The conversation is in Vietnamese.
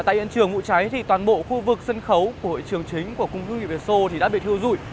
tại hiện trường vụ cháy thì toàn bộ khu vực sân khấu của trường chính của công văn hóa lao động hiệu nghị việt sô đã bị thiêu dụi